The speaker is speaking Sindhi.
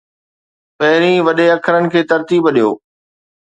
پهرين وڏي اکرن کي ترتيب ڏيو